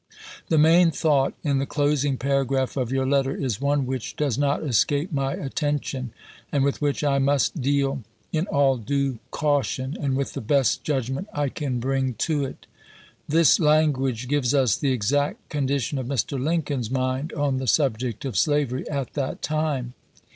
The main thought in the closing paragraph of your letter is one which does not escape my attention, and with which I must deal in all due caution, and with the best judgment I can bring to it." This language gives us the exact condition of Mr. Lincoln's mind on the sub ject of slavery at that time.